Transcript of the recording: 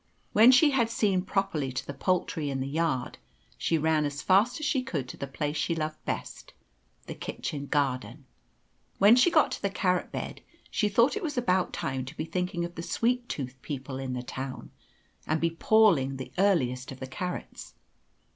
When she had seen properly to the poultry in the yard, she ran as fast as she could to the place she loved best the kitchen garden. When she got to the carrot bed she thought it was about time to be thinking of the sweet toothed people in the town, and be palling the earliest of the carrots.